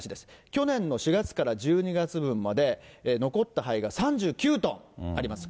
去年の４月から１２月分まで、残った灰が３９トンあります。